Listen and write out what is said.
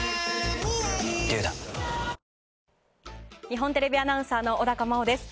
日本テレビアナウンサーの小高茉緒です。